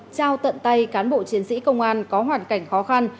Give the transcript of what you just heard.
trao tận tay cán bộ chiến sĩ công an có hoàn cảnh khó khăn